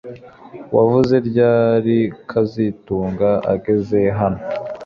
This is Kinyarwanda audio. Wavuze ryari kazitunga ageze hano